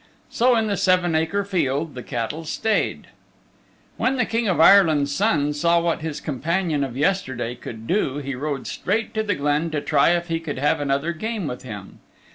So in the seven acre field the cattle stayed. When the King of Ireland's Son saw what his companion of yesterday could do he rode straight to the glen to try if he could have another game with him.